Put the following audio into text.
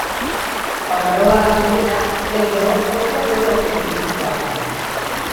Cuándo logra darle vida, el robot copia todo lo que el científico hace.